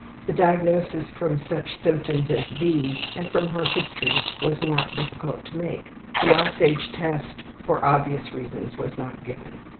The diagnosis from such symptoms as these and from her history was not difficult to make. The ``Aussage'' test, for obvious reasons, was not given.